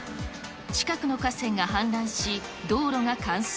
近くの河川が氾濫し、道路が冠水。